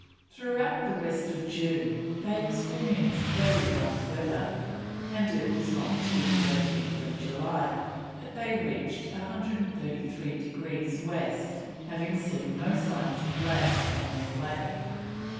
Throughout the rest of June they experienced very rough weather, and it was not till 18th July that they reached 133 degrees West, having seen no signs of land on their way.